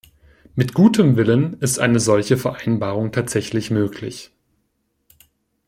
Mit gutem Willen ist eine solche Vereinbarung tatsächlich möglich.